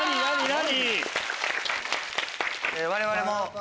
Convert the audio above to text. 何？